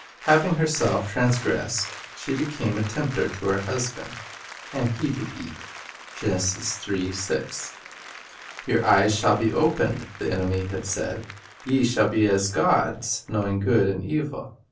Hav ing herself transgressed, she became a tempter to her husband, "and he did eat." 1 "Your eyes shall be opened," the enemy had said; "ye shall be as gods, knowing good and evil."